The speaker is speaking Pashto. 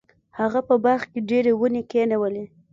هغه په باغ کې ډیرې ونې کینولې.